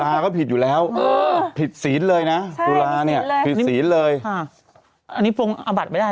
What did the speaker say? อันนี้มันผิดเวลาอยู่นี้ปิดเวลาแม้บ๊าบ